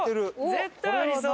絶対ありそう。